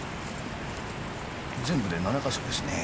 全部で７か所ですね。